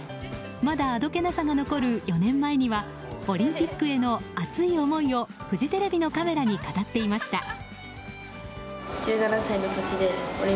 まだあどけなさが残る４年前にはオリンピックへの熱い思いをフジテレビのカメラに語っていました。